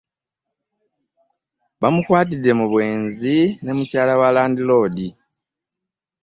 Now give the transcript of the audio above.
Bamukwatidde mu bwenzi ne mukyala wa laandi loodi.